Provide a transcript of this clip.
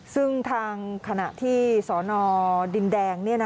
ซึ่งทางขณะที่สนดินแดง